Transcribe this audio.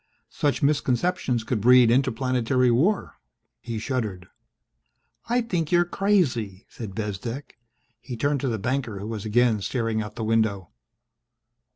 Such misconceptions could breed interplanetary war." He shuddered. "I think you're crazy!" said Bezdek. He turned to the banker, who was again staring out the window.